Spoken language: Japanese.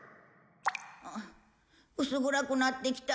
薄暗くなってきた。